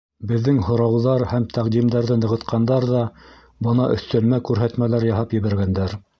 Беҙҙең һорауҙар һәм тәҡдимдәрҙе нығытҡандар ҙа бына өҫтәлмә күрһәтмәләр яһап ебәргәндәр.